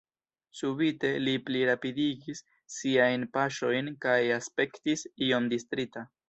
Subite li pli rapidigis siajn paŝojn kaj aspektis iom distrita.